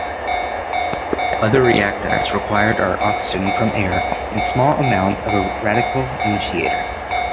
Other reactants required are oxygen from air and small amounts of a radical initiator.